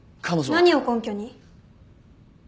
何を根拠に？